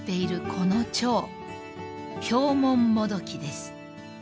このチョウヒョウモンモドキです］